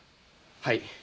はい。